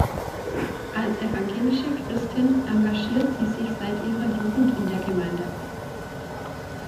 Als evangelische Christin engagiert sie sich seit ihrer Jugend in der Gemeindearbeit.